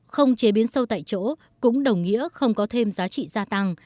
không chế biến sâu tại chỗ cũng đồng nghĩa không có thêm giá trị gia tăng